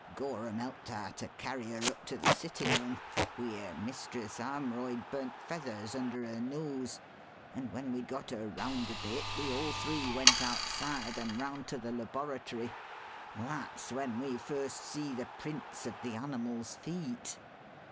Gorham helped Ah to carry her up to the sittin' room, wheer Mistress Armroyd burnt feathers under her nose, and when we'd got her round a bit we all three went outside and round to the laboratory. That's when we first see the prints of the animal's feet.